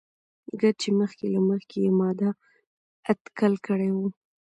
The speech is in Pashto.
ګر چې مخکې له مخکې يې ما دا اتکل کړى وو.